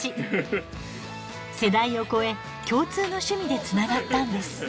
世代を超え共通の趣味でつながったんです。